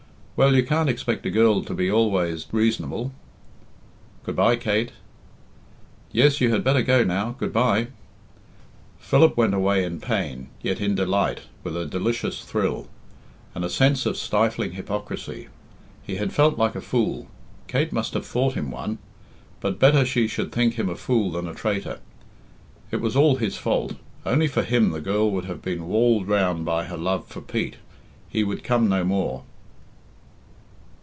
Well, you can't expect a girl to be always reasonable." "Good bye, Kate." "Yes, you had better go now good bye." Philip went away in pain, yet in delight, with a delicious thrill, and a sense of stifling hypocrisy. He had felt like a fool. Kate must have thought him one. But better she should think him a fool than a traitor. It was all his fault. Only for him the girl would have been walled round by her love for Pete. He would come no more.